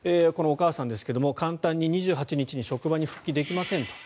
このお母さんですが簡単に２８日に職場に復帰できません。